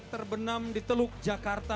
terbenam di teluk jakarta